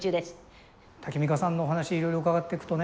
タキミカさんのお話いろいろ伺ってくとね